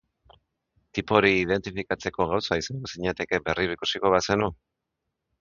Tipo hori identifikatzeko gauza izango zinateke berriro ikusiko bazenu?